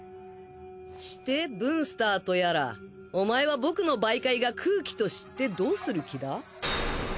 してブンスターとやらお前は僕の媒介が空気と知ってどうする気だ？